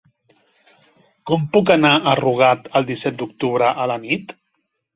Com puc anar a Rugat el disset d'octubre a la nit?